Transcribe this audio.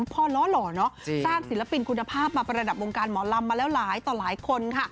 พ่อล้อหล่อเนอะสร้างศิลปินคุณภาพมาประดับวงการหมอลำมาแล้วหลายต่อหลายคนค่ะ